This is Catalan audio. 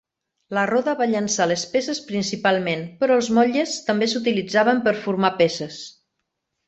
La roda va llançar les peces principalment, però els motlles també s'utilitzaven per formar peces.